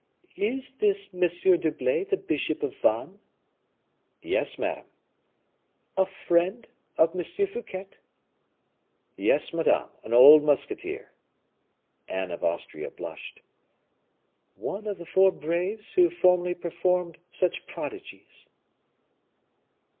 "Is this M. d'Herblay the bishop of Vannes?" "Yes, madame." "A friend of M. Fouquet?" "Yes, madame; an old musketeer." Anne of Austria blushed. "One of the four braves who formerly performed such prodigies."